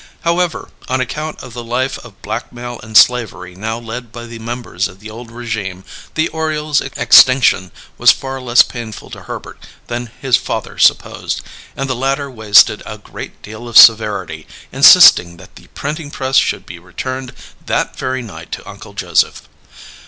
However, on account of the life of blackmail and slavery now led by the members of the old régime, the Oriole's extinction was far less painful to Herbert than his father supposed; and the latter wasted a great deal of severity, insisting that the printing press should be returned that very night to Uncle Joseph.